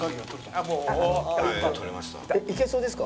えっいけそうですか？